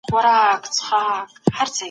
کله چي د اثر ډول معلوم سو د څېړني لاري ولټوئ.